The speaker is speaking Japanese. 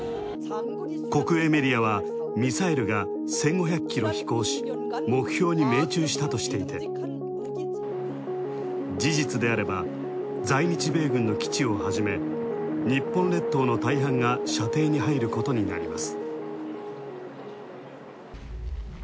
国営メディアがミサイルが１５００キロ飛行し目標に命中したとしていて、事実であえれば、在日米軍の基地をはじめ、日本列島の大半が射程に入ることになります。